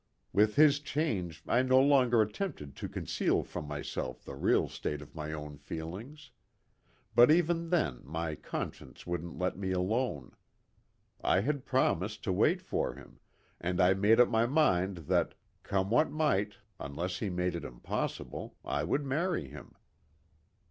With his change I no longer attempted to conceal from myself the real state of my own feelings. But even then my conscience wouldn't let me alone. I had promised to wait for him, and I made up my mind that, come what might, unless he made it impossible I would marry him."